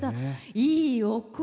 いいお声！